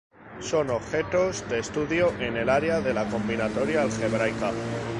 Son objetos de estudio en el área de la combinatoria algebraica.